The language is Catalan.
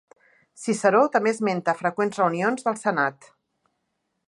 Ciceró també esmenta freqüents reunions del senat.